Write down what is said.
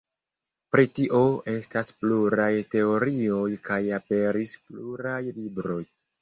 Pri tio estas pluraj teorioj kaj aperis pluraj libroj.